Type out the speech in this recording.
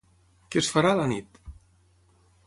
Què es farà a la nit?